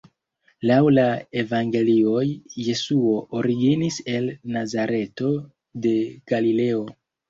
Laŭ la evangelioj, Jesuo originis el Nazareto de Galileo.